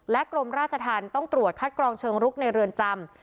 กรมราชธรรมต้องตรวจคัดกรองเชิงรุกในเรือนจำ